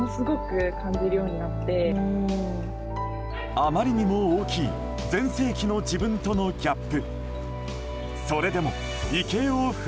あまりにも大きい全盛期の自分とのギャップ。